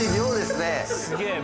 すげえ